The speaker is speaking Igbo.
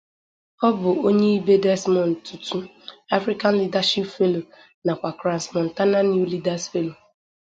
Ọ bụ onye ibe Desmond Tutu, African Leadership fellow nakwa Crans Montana New Leaders fellow.